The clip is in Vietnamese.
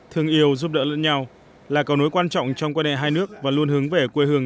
thương yêu giúp đỡ lẫn nhau là cầu nối quan trọng trong quan hệ hai nước và luôn hướng về quê hương